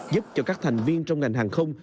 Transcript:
giúp cho các thành viên trong ngành hàng không